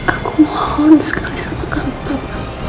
aku mohon sekali sama kamu pak